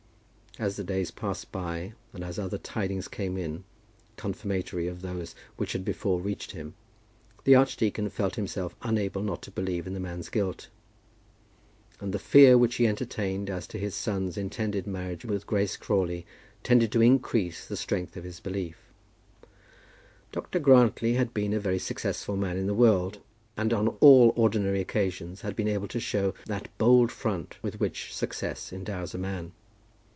As the days passed by, and as other tidings came in, confirmatory of those which had before reached him, the archdeacon felt himself unable not to believe in the man's guilt. And the fear which he entertained as to his son's intended marriage with Grace Crawley, tended to increase the strength of his belief. Dr. Grantly had been a very successful man in the world, and on all ordinary occasions had been able to show that bold front with which success endows a man.